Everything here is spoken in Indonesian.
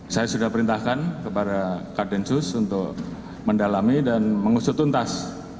saya sudah perintahkan kepada kadensus untuk mendalami dan mengusut tuntas